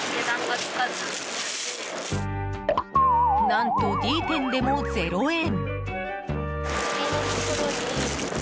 何と、Ｄ店でも０円。